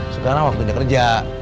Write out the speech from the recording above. sekarang waktunya kerja